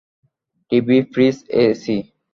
TV, fridge, AC!